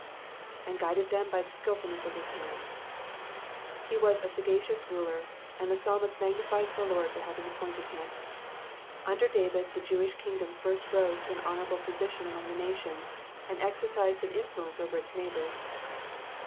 *^And guided them by the skilfulness of his hands " He was a sagacious ruler, and the psalmist magnifies the Lord for having appointed him. Under David, the Jewish kingdom first rose to an honourable position among the nations, and exercised an influence over its neighbours.